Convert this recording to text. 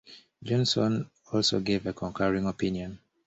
Johnson also gave a concurring opinion.